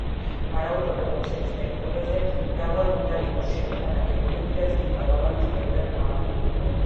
ვარაუდობენ, რომ ციხის ტერიტორიაზე მრავლად უნდა იყო შენობა-ნაგებობები და თვით გალავანიც ბევრად მაღალი იყო.